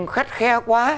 khắt khe quá